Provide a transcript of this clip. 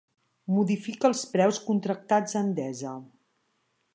Modificar els preus contractats a Endesa.